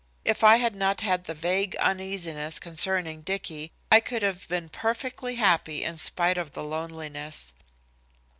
If I had not had the vague uneasiness concerning Dicky I could have been perfectly happy in spite of the loneliness.